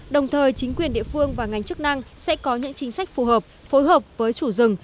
đồng thời chính quyền địa phương và ngành chức năng sẽ có những chính sách phù hợp phối hợp với chủ rừng